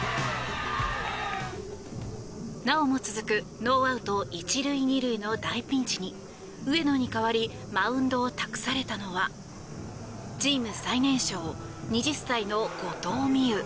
なおも続くノーアウト１塁２塁の大ピンチに上野に代わりマウンドを託されたのはチーム最年少２０歳の後藤希友。